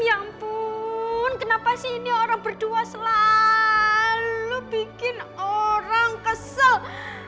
ya ampun kenapa sih ini orang berdua selalu bikin orang kesel